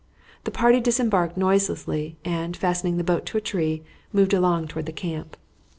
The party disembarked noiselessly and, fastening the boat to a tree, moved along toward the camp.